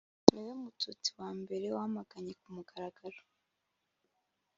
ni we mututsi wa mbere wamaganye ku mugaragaro